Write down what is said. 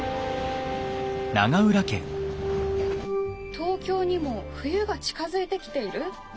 「東京にも冬が近づいてきている？